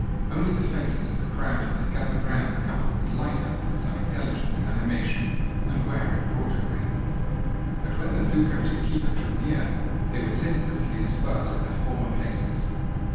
Only the faces of the crowd as they gathered round the couple would light up with some intelligence and animation, and wear a broader grin. But when the blue coated keeper drew near, they would listlessly disperse to their former places.